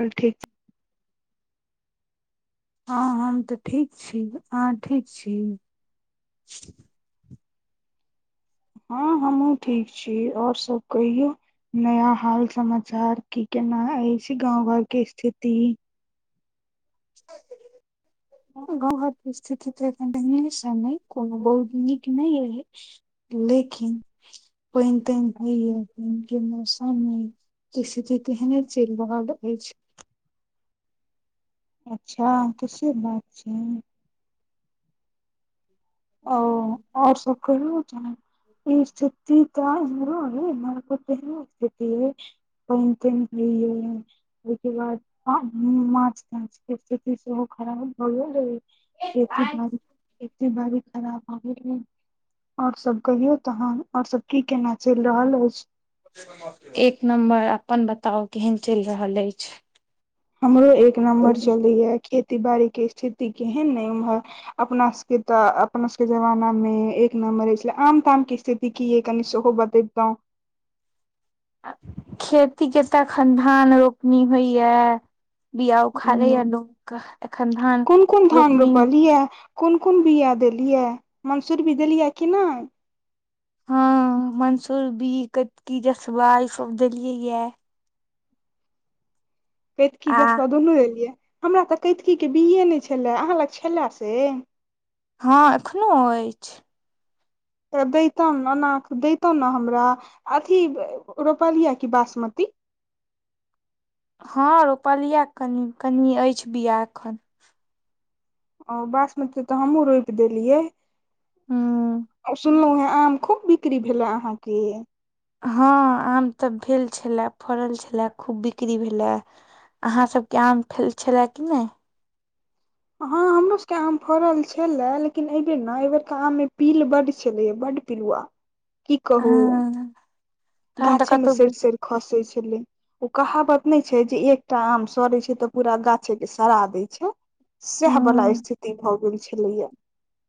चल ठीक छै हँ हम तऽ ठीक छी आँहा ठीक छी हँ हमहुँ ठीक छी आओर सब कहियौ नया हाल समाचार की केना अछि गाँव घर के स्थिति [inaudible] ओ घरक स्थिति तऽ ओहिने कोनो बहुत नीक नहि अइ लेकिन पानि तानि होइया एखन के मौसममे स्थिति तेहने चलि रहल अछि अच्छा तऽ से बात छै ओ आओर सब कहियौ तहन [unintelligible] पइन तइन होइये ओहिके बाद माछ ताछ के स्थिति सेहो खराब भऽ गेल रहै एके बार एते बारिश खराब और सब कहियो तहन और सब की केना चलि रहल अछि एक नम्बर अपन बताउ केहन चलि रहल अछि हमरो एक नम्बर चलैये खेती बाड़ी के स्थिति केहन अइ उम्हर अपना सबके तऽ अपना सबके जमाना मे एक नम्बर छल आम ताम के स्थिति देखियै कनि सेहो बात दौ खेती के तखन धान रोपनी होइये बिया उखड़े आ उम्म, लोके एखन धान रोपनी किये कोन कोन बिया देलियै मन्सूर बिया देलियै कि नहि हँ मंसूरबी कतकी जसबा ई सब देलियै ये कैतकी आ जसबा दुनू देलियै हमरा तऽ कैतकीे बिए नहि छलए अहाँ लग छलए से हँ एखनो अय तऽ दैतहु ओना दैतौ ने हमरा अथी रोपलियै कि बासमती हँ रोपलिया कनि कनि अछि बिआ एखन ओ बासमती तऽ हमहुँ रोपि देलियै हूँ सुनलौं हें आम खूब बिक्री भेले अहाँके हँ आम तऽ भेल छलए फड़ल छलए खूब बिक्री भेलए अहाँसभके आम छलए कि नहि हँ [inaudible] हमरो सबके आम फड़ल छले लेकिन एहिबेर ने एहिबेर बेर के आम मे पील बड्ड छेलेये बड्ड पिलुआ की कहू हँ तहन तऽ गाछे मे कतौ सडि सडि खसै छेलै ओ कहावत नहि छै जे एकटा आम सड़े छै तऽ पूरा गाछे के सडा दै छै सएह बला हूँ ईस्थिति भऽ गेल छलैया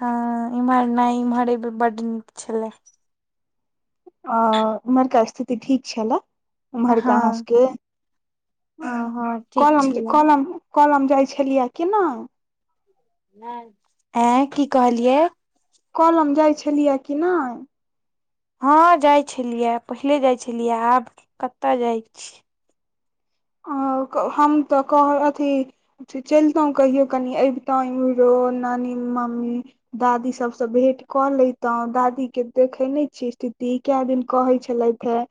हँ इम्हर नहि इम्हर बड्ड नीक छलै अ उमर का ईस्थिति ठीक छै ला हँ उमहरका आहाँ सबके हँ हँ ठीक कलम छलै कलम कलम जाइ छलिया किनय एऐ की कहलियै कलम जाइ छलिया कि नय हँ जाइ छलिया पहिले जाइ छलिया आब कतय जाइ छी आ हम तऽ कह अथी चलितहुँ कहियो कनि अबितहुँ एम्हरो नानी मम्मी दादी सबसँ भेंट कऽ लेैतहु दादी के देखैनै छीयै ईस्थिति काए दिन कहै छलैथ हाए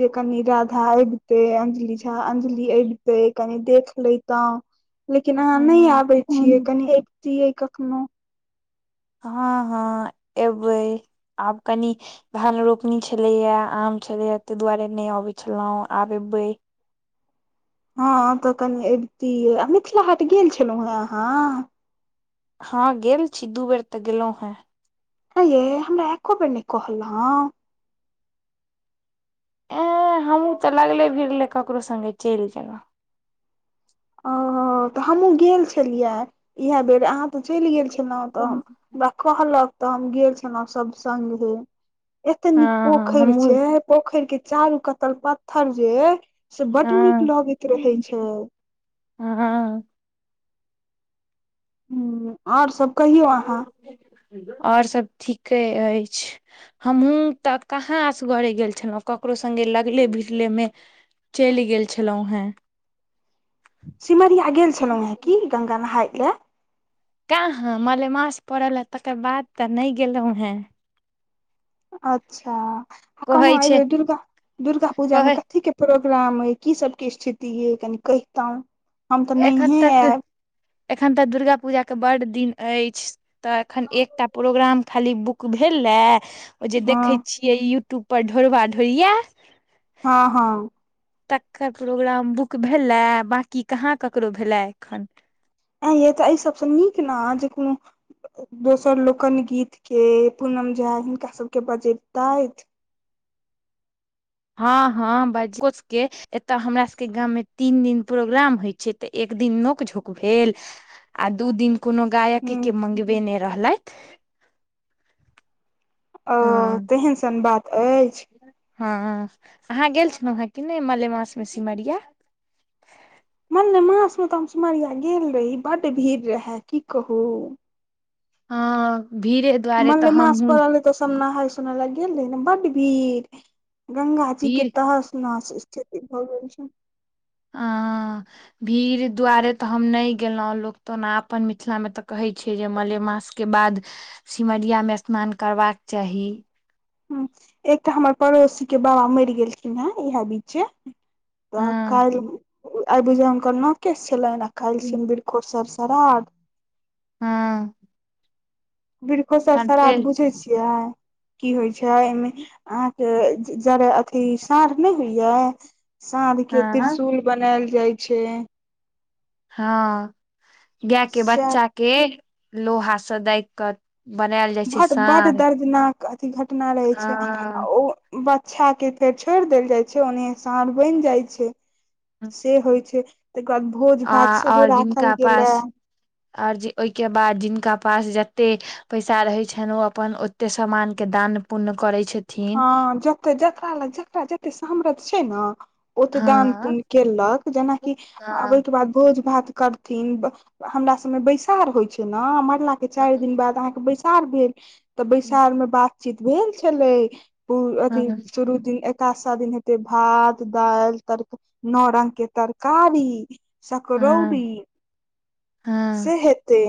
जे कनि राधा अबितै अंजलि झा अंजलि अबितै कनि देख लेैतौं हँ लेकिन अहाँ नहि आबे छीयै कनि दियै कखनो हँ हँ एबै आब कनि धन रोपनी छलैया आम छलैया तैह दुआरे नय अबे छलहु आब एबे हँ तऽ कनि अबितिय आ मिथिला हाट गेल छलहुँ हेँ अहाँ हँ गेल छी दू बेर तऽ गेलहुँ हें आं यै हमरा एको बेर नय कहलौं ए हमहुँ तऽ लागले भिरले ककरो संगे चलि गेलौं ओ हो ह तऽ हमहूँ गेल छलियै इएह बेर अहाँ तऽ चलि गेल छलहुँ तऽ हमरा कहलक तऽ हम गेल छलौं सभ संगङ्गे एते नीक हँ हँ पोखैर हमहुँ छै पोखैर के चारू कत्तल पत्थर जे अई से बड नीक हँ लगैत रहे छै ह ह और सब कहियौ अहाँ आओर सभ ठीके अछि हमहूँ तऽ कहाँ अस गरे गेल छलौं ककरो सङ्गे लगले भिरले मे चैल गेल छलौं हेँ सिमरिया गेल छलौं हें कि गंगा नहााय ले का हाँ मलेमास पड़ला तकर बाद तऽ नय गेलौं हें अच्छा आ कहै कहलौं छै अबेर दुर्गा दुर्गा पूजा मे कहै कथी के प्रोग्राम अयी की सबके ई स्थिति अय कनि कहितौं एखन तक एखन तक दुर्गा पूजाके बड दिन अछि तऽ एखन एकटा प्रोग्राम खाली बुक भेला ए ओ जे देखै हँ छियै यूट्यूब पर ढोरबा ढोरिया हँ हँ तकर प्रोग्राम बुक भेलाए बाकी कहाँ ककरो भेला एखन ए यी तऽ एहि सबसँ नीक न जे कुनु दोसर लोकन गीत के पूनम झा हिनका सबके बजैबतैथ हँ हँ बाजी कोचके [unintelligible] एतय हमरा सबके गाममे तीन दिन प्रोग्राम होइ छै तऽ एक दिन नोक झोक भेल आ दू दिन कोनो गायके के ह मंगबे ने रहलैथ अओ हँ तेहन सन बात अछि हँ अहाँ गेल छलौं हेँ कि नय मलेमासमे सिमरिया मने मास मे तऽ हम सिमरिया गेल रही बड्ड भीड़ रहै की कहू ह भीरे मनेले मास पड़ल रहे तऽ सब नहा सोनाय ल गेल रहे ने बड्ड भीड़ गंगा [unintelligible] भीड़ कित ह सु न स्थित ब आ भीड़ दुआारे तऽ हम नय गेलौं लोक तऽना अपन मिथिला मे तऽ कहे छै जे मलेमास के बाद सिमरियामे स्नान करबाक चाही ह एकटा हमर पड़ोसी के बाबा मैर गेलखिन हे इएहे बीचे तऽ हँ काल्हि आबुझा हुनकर न केश छलनि आ काल्हि छनि बरखो सर स्राद हँ वृखो स तहन श्राद्ध फेर बुझै छियै की होइ छै एहिमे अहाँके जाड़ अथी साँढ़ नहि होइया साँझ के हँ त्रिशुल बनायल जाइ छै हँ गाय के से बच्चा के लोहाँ दग क बनायल जा बड बड्ड दर्दनाक अथी घटना रहै छै आ हँ ओ बचछा केएते छोड़ देल जाय छै ओन्ने सााँढ़ बनि जाय छै से होइ छै तईके बाद भोज आ भात आओर सेहो राखल जिनका गेलै पास आओर जे ओहिके बाद जिनका पास जते पैसा रहैत छनि ओ अपन ओते के सामान के दान पुण्य करै छै हँ जते जकरा लग जकरा जतेक सामरथ छै न ओते दान हँ पुण्य केलक जेनाकि आ हँ ओहिके बाद भोज भात कर हमरा सबमे बैसार होइ छै न मरला के हँ चाईर दिन बाद अहाँके बैस बैसार भेल तऽ बैसार मे बातचीत भेल छलै अथी हँ शुरू दिन सा दिन हेते भात दालि तर नओ रंग के तरकारी सक रौरी हँ से हँ हेतै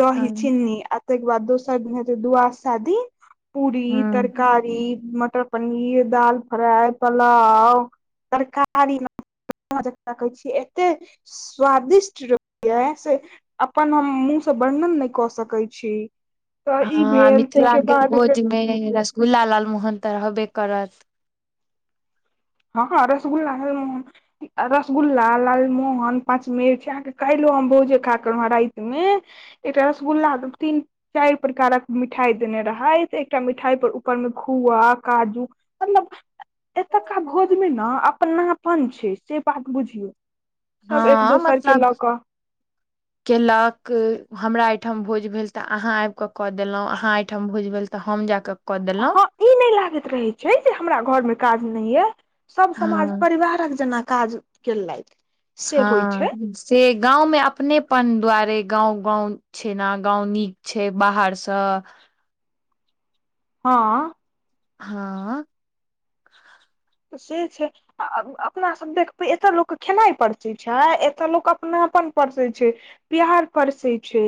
दहि हँ चनी ताहिके बाद दोसर दिन हेे दुआशा दीन पूरी तरकारी मटर पनीर दाल फ्राय पलाव तरकारी जकरा कहे छियै एते स्वादिष्ट रहैयै से अपन हम मुँह से वर्णन नहि कऽ सकै छी तऽ ई हँ आ भेल मिथिला ताईके के बाद फेर भोज मे रसगुल्ला लाल मोहन त रहबे करत हँ हँ रसगुल्ला [unintelligible] ल [unintelligible] रसगुल्ला लालमोहन पाँच मेर छै आँहाके क‌इलो हम भोजे खा क हे रातिमे एकटा रसगुल्ला दू ती न चैर प्रकारक मिठाई देने रहै एकटा मिठाई पर ऊपर मे खोआ काजू त [unintelligible] [unintelligible] का भोज मे न अपनापन छै से बात बुझियौ सब एक हँ दोसर के मतलब लऽ कऽ केलक हमरा यै ठाम भोज भेल तऽ अहाँ आब कऽ क देलहुं अहाँ ठाम भोज भेल तऽ हम जाकऽ कऽ देलहुँ हँ ई नहि लागैत रहैत छै जे हमरा घरमे काज नहि यए सभ समाज हँ परिवारक जेना काज कलैथ हँ से गाँवमे अपनेपन दुआरे गाँं गाँव छैन गाँंव नीक छै बाहरसँ हँ हँ से छै अपना सब देखबै एतय लोक खेनाइ परसै छै एतय लोक अपनापन परसै छै प्यार पर सै छै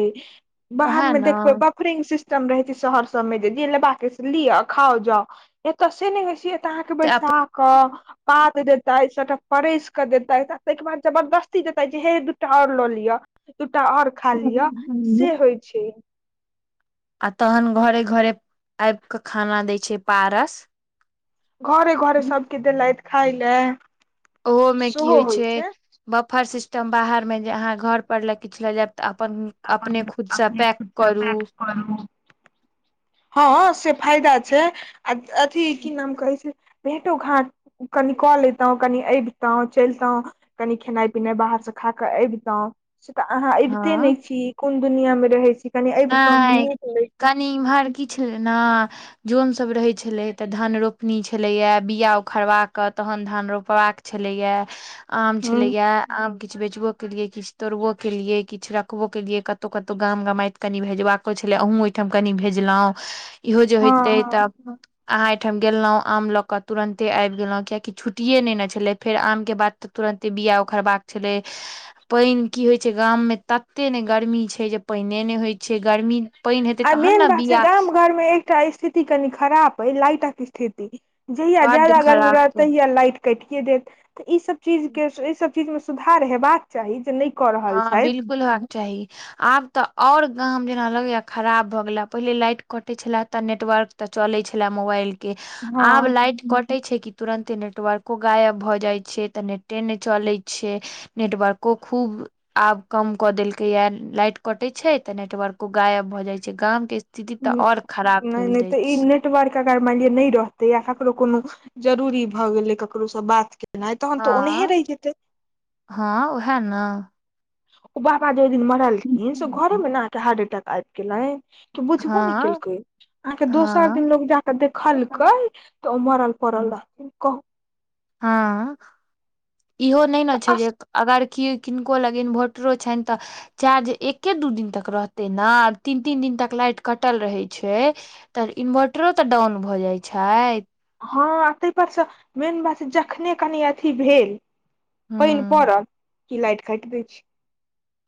बाहर ओएह मे ने देखबै बक फ्रेंग सिस्टम रहैछै शहर सब मे जे ब लि खाओ जा एतऽ से नहि से त अहाँ के तऽ बैसा कऽ पात देएतै सभटा परसि कऽ देएतै आ ताहिके बाद जबरदस्ती देएतैथ जे हे दू टा आओर लऽ लिअ दूटा आओर खा लिअ से होइ छै आ तहन घरे घरे आब क खाना दय छै पारस घरे घरे सभके देलैथ खाय लए ओहोमे कि होइ छै बफर सिस्टम बाहर मे जे अहाँ घर पर ला किछु ल जायब तऽ अपन अपने खुदसँ पैक करू कर [unintelligible] [unintelligible] हँ से फायदा छै आ अथी की नाम कहै छै भेटो घाट कनि कॉल एतहु कनि अबितहु चलितहु कनि खेनाई पिनाई बाहरसँ खा कऽ अबितौं से तऽ अहाँ अबिते हँ नहि छी कोन दुनिया मे रहै छी कनि अबितहुँ तऽ हँ नीक लैतै कनी इम्हर किछै लै ने जनसभ रहैत छलै तऽ धन रोपनी छलैए बीआ उखड़वा कऽ तखन धन रोपबाक छलैएा आम हँ छलैए आम किछु बेचबो केलिये किछु तोड़बो केलिये किछु रखबो केलियए कतहु कतहु गाम गमायत कनि भेजबाको छलै अहूँ ओहिठाम कनि भेजलहुँ इहो जे होइतै हँ तऽ अहाँ एहिठाम गेलौं आम लऽ कऽ तुरन्ते आबि गेलौं कियकि छुट्टए ने छलै फेर आमके बात तऽ तुरन्ते बिआ उखर बाक छलै पाएन की होइत छै गाममे तते नै गर्मी छै जे पानिए नहि होइत छै गर्मी पानि हेतै आ तहन मेन ने बात छै बिया गाम घरमे एक टा स्थिति कनि खराब अय लाईटक स्थिति जहिया बड्ड ज्यादा गर्मी रह खराब तहिया लाईट काईटि देत तऽ ई सब चीज के सब चीज मे सुधार हेबाक चाही जे कऽ रहल हँ छथि बिल्कुल होबाक चाही आब तऽ और गाम जेना लगैया खराब भऽ गेला पहिले लाईट कटे छलै तऽ नेटवर्क तऽ चलै छला मोबाइल के आब हँ लाईट कट टै छै कि तुरन्ते नेटवर्को गायब भऽ जाइत छै तऽ नेटे नहि चलै छै नेटवर्को खूब आब कम कऽ देलकै या लाइट कटे छै तऽ नेटवर्को गायब भऽ जाय छै गाम के स्थिति तऽ और खराब भेलैल जाय छै नेटर्वक लिय नै मान ल नहि रहते या ककरो कोनो जरूरी भऽ गेलै ककरोसँ बात के नहि तहन तऽ हँ ओनहे रहि जेतै हँ ओह न ओ बाबा जेओ दिन मरलखिन से घरेमे न हार्ट अटैक आबि गेलैय बुझबो नहि हँ केलकै अहाँके दोसर हँ दिन लोग जाकऽ देखलकै तऽ ओ मराल परल रहतै कह हँ इहो नै न छै जे तऽ अगर कि किनको लगिन इनभोटरो छनि तऽ चार्ज एके दू दिन तक रहतै ने आब तीन तीन दिन तक लाइट कटल रहै छै तऽ इन्वर्टरो तऽ डाउन भऽ जाइ छै हँ ताहिपर सँ मैन बात छै जखने कनि अथी भेल पाइन हूँ पड़ल क लाईट काटि दै छी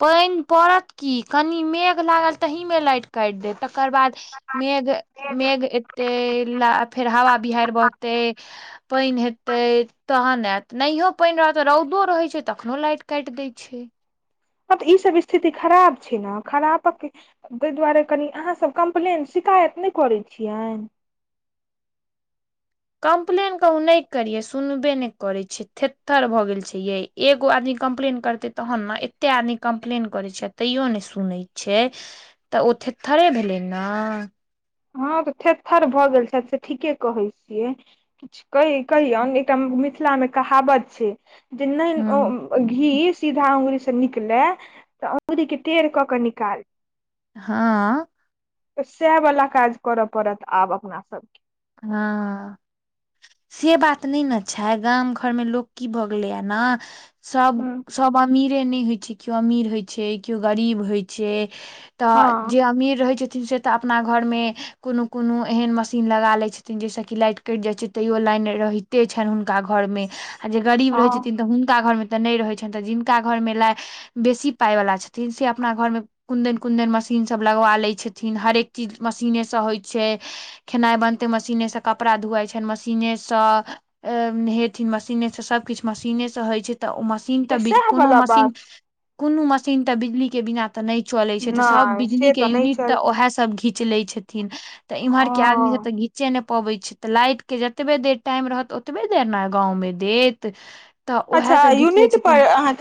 पानि पड़त की कनि मेघ लागल तहमे लाईट काटि देत तकर बाद मेघ छै मेघ एते ल फेर हवा बिहारड़ि बहते पानि हेते तहन आयत नहियो पानि रहत रौदो रहे छै तखनो लाइट काटि दय छै तऽ ई सब स्थिति खराब छै ने खराबक ताहि दुआरे कनि अहाँ सभ कम्प्लेन शिकायत नहि करैत छियनि कम्प्लेन कहु नहि करिये सुनबे नहि करे छै थेतथर भऽ गेल छै ये एगो आदमी कम्प्लेन करते तहन ने एते आदमी कम्प्लेन करैत छै तैयो ने सुनैत छै तऽ ओ थेर थरे भेलै ने हँ तऽ थेर थर भऽ गेल छै से ठीके कहै छियै किछु कहि कहि एकटा मिथिलामे कहावत छै जे नहि ओ हँ घी सीधा अंगुरी से निकले तऽ अंगुरी के टेढ़ क के निकालि हँ सहाँ वला काज करय पड़त आब अपना सबके हँ से बात नहि ने छै गाम घरमे लोक की भऽ गेलैए ने सभ हँ सभ अमीरे नहि होइ छै केओ अमीर होइ छै केओ गरीब होइ छै त हँ जे अमीर रहे छथिन से त अपना घर मे कोनो कोनो एहन मशीन लगा ले छै छथिन जाहिसँ कि लाइट कटि जाइत छै तैयो लाइन रहिते छनि हुनका घरमे जे गरीब रहै छथिन तऽ हुनका घरमे तऽ नहि रहै छनि तऽ जिनका घरमे लाइट बेसी पाइवाला छथिन से अपना घरमे कुन्दन कुन्दन मशीनसभ लगवा लैत छथिन हरेक चीज मशीनेसँ होइ छै खेनाइ बनते मशीनेसँ कपड़ा धुआइ छनि मशीनेसँ अ नहेथिन मशीने से सभ किछु मशीने से होइ छै तऽ ओ मशीन मशीन तऽ सएह कोनो वाला मशीन बात कोनो मशीन तऽ बिजली के बिना तऽ नहि चले छै तऽ सब नहि बिजली से के नहि यूनिट तऽ चलतै ओहा सब घीच ले छथिन तऽ इम्हर के आदमी सब ओ त घीच नहि पबैत छै तऽ लाइट के जतबे देर टाइम रहत ओतबे देर ने गाँवमे देत तऽ उएह अच्छा सब घीच लै यूनिट पर छथिन अहाँके